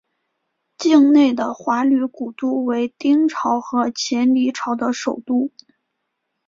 境内的华闾古都为丁朝和前黎朝的首都。